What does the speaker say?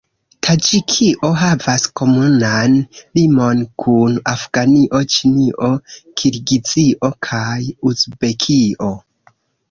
Taĝikio havas komunan limon kun Afganio, Ĉinio, Kirgizio kaj Uzbekio.